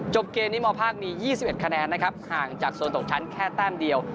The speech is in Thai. เกมนี้มภาคมี๒๑คะแนนนะครับห่างจากโซนตกชั้นแค่แต้มเดียว